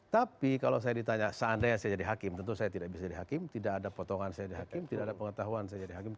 tapi kalau saya ditanya seandainya saya jadi hakim tentu saya tidak bisa jadi hakim tidak ada potongan saya di hakim tidak ada pengetahuan saya jadi hakim